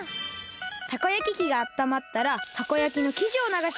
たこ焼き器があったまったらたこ焼きのきじをながします！